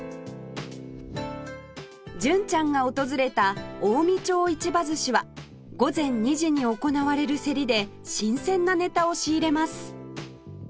純ちゃんが訪れた近江町市場寿しは午前２時に行われる競りで新鮮なネタを仕入れます